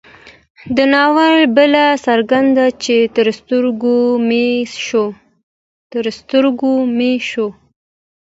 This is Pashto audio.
د ناول بله ځانګړنه چې تر سترګو مې شوه